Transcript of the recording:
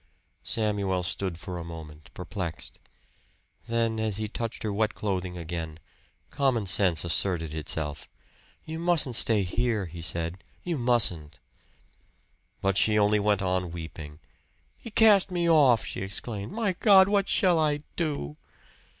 Samuel stood for a moment, perplexed. Then, as he touched her wet clothing again, common sense asserted itself. "You mustn't stay here," he said. "You mustn't." But she only went on weeping. "He's cast me off!" she exclaimed. "My God, what shall I do?"